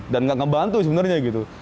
dan nggak ngebantu sebenarnya gitu